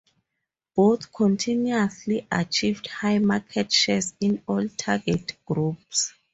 Both continuously achieve high market shares in all target groups.